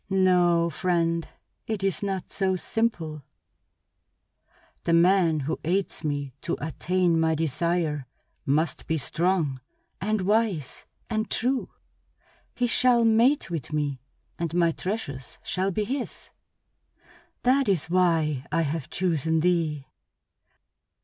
No, friend, it is not so simple. The man who aids me to attain my desire must be strong and wise and true. He shall mate with me, and my treasures shall be his. That is why I have chosen thee."